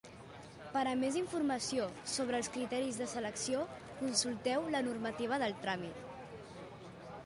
Per a més informació sobre els criteris de selecció consulteu la normativa del tràmit.